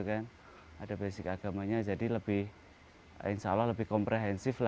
ada basic agamanya jadi lebih insya allah lebih komprehensif